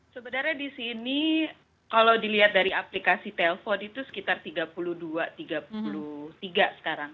sebenarnya di sini kalau dilihat dari aplikasi telepon itu sekitar tiga puluh dua tiga puluh tiga sekarang